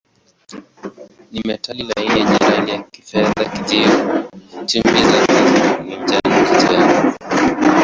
Ni metali laini yenye rangi ya kifedha-kijivu, chumvi zake ni njano-kijani.